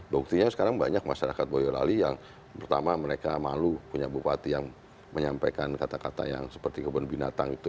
buktinya sekarang banyak masyarakat boyolali yang pertama mereka malu punya bupati yang menyampaikan kata kata yang seperti kebun binatang itu